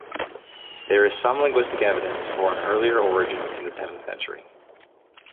There is some linguistic evidence for an earlier origin within the seventh century.